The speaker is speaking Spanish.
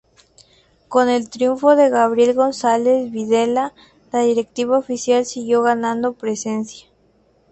Con el triunfo de Gabriel González Videla la directiva oficial siguió ganando presencia.